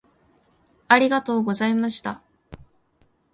ありがとうございました。